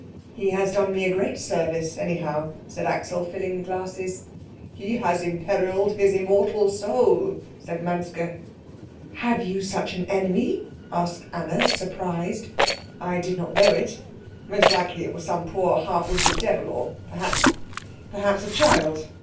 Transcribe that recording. "He has done me a great service, anyhow," said Axel, filling the glasses. "He has imperilled his immortal soul," said Manske. "Have you such an enemy?" asked Anna, surprised. "I did not know it. Most likely it was some poor, half witted devil, or perhaps perhaps a child."